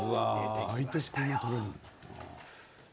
毎年こんなに取れるんだ。